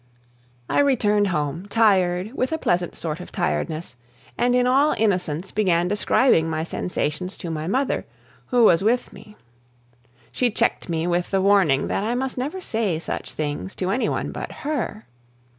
I returned home tired with a pleasant sort of tiredness, and in all innocence began describing my sensations to my mother, who was with me. She checked me with the warning that I must never say such things to any one but her.